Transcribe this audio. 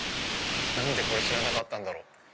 何でこれ知らなかったんだろう？